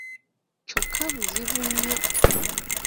Kyokka buzibu nnyo.